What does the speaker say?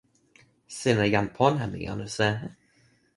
sina jan pona mi anu seme?